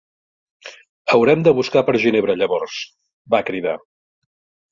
"Haurem de buscar per Ginebra, llavors," va cridar.